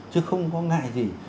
chứ không có ngại gì